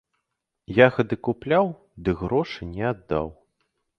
Ягады купляў, ды грошы не аддаў.